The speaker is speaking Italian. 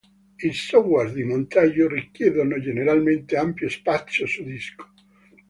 I software di montaggio richiedono generalmente ampio spazio su disco.